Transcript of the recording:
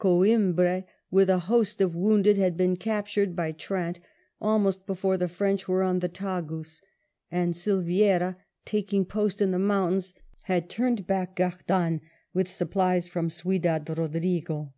Coim bra, with a host of wounded, had been captured by Trant almost before the French were on the Tagus, and Silveira, taking post in the mountains, had turned back Gardanne with supplies from Ciudad Eodrigo.